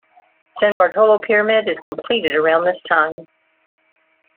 San Bartolo pyramid is completed around this time.